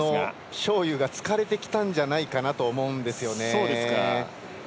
章勇が疲れてきたんじゃないかなと思うんですよね。